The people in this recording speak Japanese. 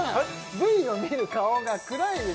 Ｖを見る顔が暗いです